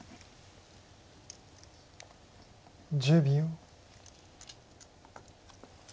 １０秒。